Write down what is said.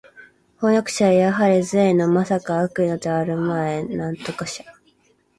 飜訳者はやはり善意の（まさか悪意のではあるまい）叛逆者